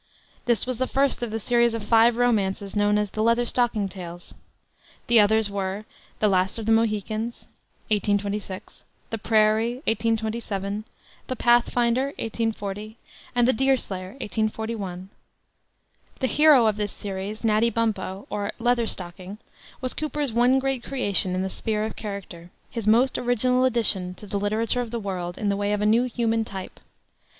This was the first of the series of five romances known as the Leatherstocking Tales. The others were the Last of the Mohicans, 1826; the Prairie, 1827; the Pathfinder, 1840; and the Deerslayer, 1841. The hero of this series, Natty Bumpo, or "Leatherstocking," was Cooper's one great creation in the sphere of character, his most original addition to the literature of the world in the way of a new human type.